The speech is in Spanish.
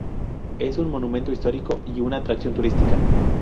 Es un monumento histórico y una atracción turística.